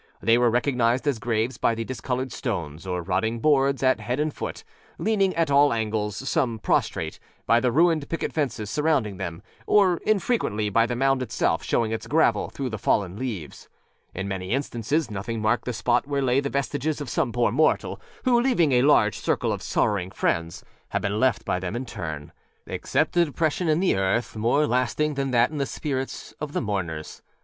They were recognized as graves by the discolored stones or rotting boards at head and foot, leaning at all angles, some prostrate; by the ruined picket fences surrounding them; or, infrequently, by the mound itself showing its gravel through the fallen leaves. In many instances nothing marked the spot where lay the vestiges of some poor mortalâwho, leaving âa large circle of sorrowing friends,â had been left by them in turnâexcept a depression in the earth, more lasting than that in the spirits of the mourners.